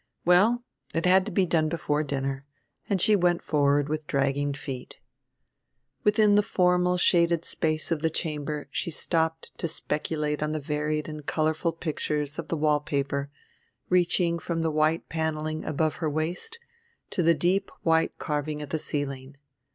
Well, it had to be done before dinner, and she went forward with dragging feet. Within the formal shaded space of the chamber she stopped to speculate on the varied and colorful pictures of the wall paper reaching from the white paneling above her waist to the deep white carving at the ceiling.